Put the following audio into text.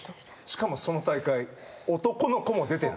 しかもその大会。